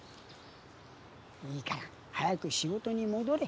いいから早く仕事に戻れ。